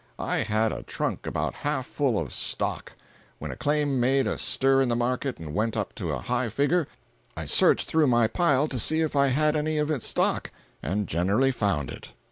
I had a trunk about half full of "stock." When a claim made a stir in the market and went up to a high figure, I searched through my pile to see if I had any of its stock—and generally found it.